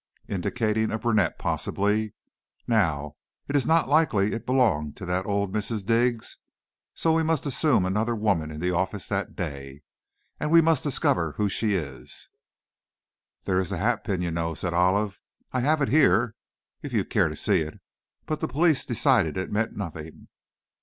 "Indicating a brunette possibly. Now, it's not likely it belonged to that old Mrs. Driggs, so we must assume another woman in the office that day. And we must discover who she is." "There is the hatpin, you know," said Olive. "I have it here, if you care to see it. But the police decided it meant nothing."